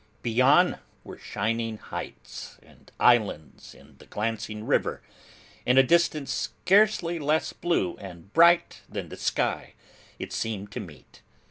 Beyond, were shining heights, and islands in the glancing river, and a distance scarcely less blue and bright than the sky it seemed to meet.